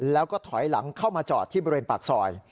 แล้วก็ถอยหลังเข้ามาจอดที่บริเวณปากซอย